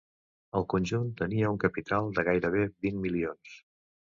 El conjunt tenia un capital de gairebé vint milions.